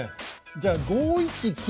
じゃあ５一金。